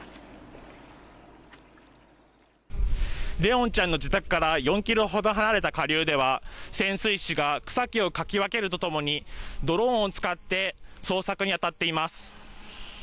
怜音ちゃんの自宅から４キロほど離れた下流では潜水士が草木をかき分けるとともにドローンを使って捜索に当たっています。